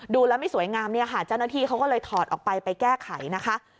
ดูแล้วไม่สวยงามเนี่ยค่ะเจ้าหน้าที่เขาก็เลยถอดออกไปไปแก้ไขนะคะ